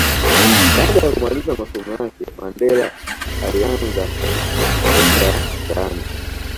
Baada ya kumaliza masomo yake Mandela aliyaanza maisha ya mtaani